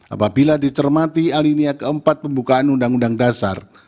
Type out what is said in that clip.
apabila dicermati alinia keempat pembukaan undang undang dasar